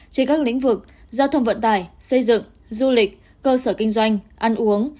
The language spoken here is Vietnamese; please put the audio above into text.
trên các lĩnh vực giao thông vận tải xây dựng du lịch cơ sở kinh doanh ăn uống